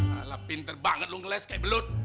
alah pinter banget lo ngeles kayak belut